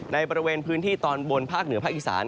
ในบริเวณพื้นที่ตอนบนภาคเหนือภาคอีสาน